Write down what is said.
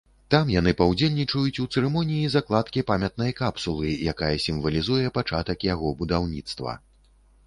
Там яны паўдзельнічаюць у цырымоніі закладкі памятнай капсулы, якая сімвалізуе пачатак яго будаўніцтва.